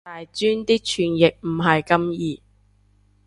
大專啲傳譯唔係咁易